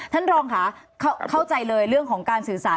ท่านรองค่ะเข้าใจเลยเรื่องของการสื่อสาร